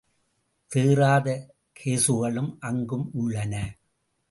தேறாத கேசுகளும் அங்கும் உள்ளன.